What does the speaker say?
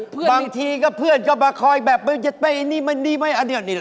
บางทีก็เพื่อนก็มาคอยแบบไอ้นี่ไหมไอ้นี่ไหม